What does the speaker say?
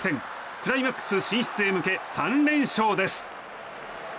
クライマックス進出へ向け３連勝です。